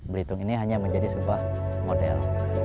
belitung ini hanya menjadi sebuah model